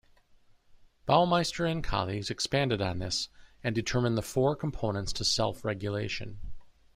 Baumeister and colleagues expanded on this, and determined the four components to self-regulation.